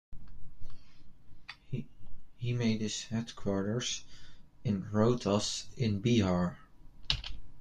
He made his headquarters in Rohtas, in Bihar.